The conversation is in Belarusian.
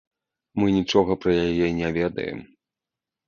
Мы нічога пра яе не ведаем.